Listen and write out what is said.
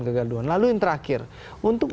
kegaduhan lalu yang terakhir untuk